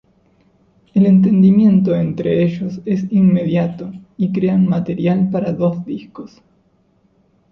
El entendimiento entre ellos es inmediato y crean material para dos discos.